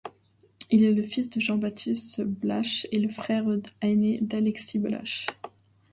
Il est le fils de Jean-Baptiste Blache et le frère aîné d'Alexis Blache.